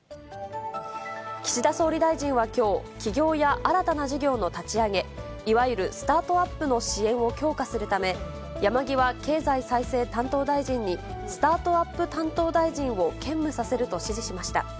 岸田総理大臣はきょう、起業や新たな事業の立ち上げ、いわゆるスタートアップの支援を強化するため、山際経済再生担当大臣にスタートアップ担当大臣を兼務させると指示しました。